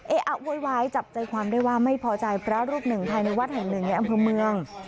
อะโวยวายจับใจความได้ว่าไม่พอใจพระรูปหนึ่งภายในวัดแห่งหนึ่งในอำเภอเมือง